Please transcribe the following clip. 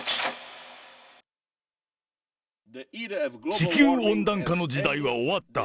地球温暖化の時代は終わった。